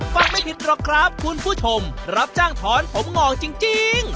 ไม่ผิดหรอกครับคุณผู้ชมรับจ้างถอนผมงอกจริง